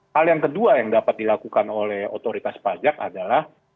hal yang kedua yang dapat dilakukan oleh otoritas pajak adalah